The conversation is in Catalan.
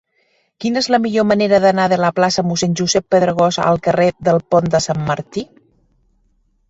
Quina és la millor manera d'anar de la plaça de Mossèn Josep Pedragosa al carrer del Pont de Sant Martí?